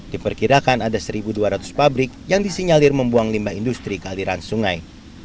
diperkirakan ada satu dua ratus pabrik yang disinyalir membuang limbah industri ke aliran sungai